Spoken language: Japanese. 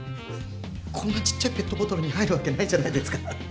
こんなちっちゃいペットボトルに入るわけないじゃないですか。